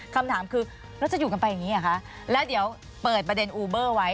คำถามคือแล้วจะอยู่กันไปอย่างนี้หรอคะแล้วเดี๋ยวเปิดประเด็นอูเบอร์ไว้